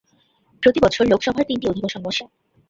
প্রতিবছর লোকসভার তিনটি অধিবেশন বসে।